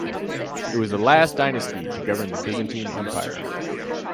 It was the last dynasty to govern the Byzantine Empire.